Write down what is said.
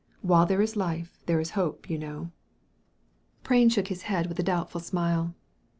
While there is life there's hope, you know." Prain shook his head with a doubtful smile.